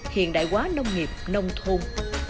hiện đại hóa nông nghiệp nông thôn